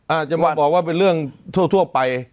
อาจจะมาบอกว่าเป็นเรื่องทั่วไป